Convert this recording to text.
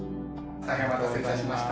お待たせしました。